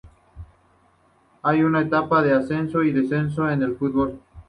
Hay una etapa de ascenso y descenso en fútbol.